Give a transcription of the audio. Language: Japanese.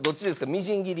みじん切り？